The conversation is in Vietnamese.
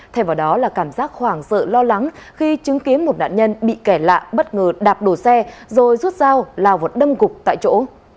thay vào đó là cảm giác khoảng sợ lo lắng khi chứng kiến một nạn nhân bị kẻ lạ bất ngờ đạp đổ xe rồi rút dao là một đâm cục tại chỗ